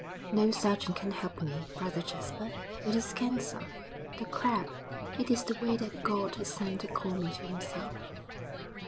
'No surgeon can help me, Brother Jasper. It is cancer, the Crab it is the way that God has sent to call me to Himself.'